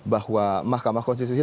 bahwa mahkamah konstitusi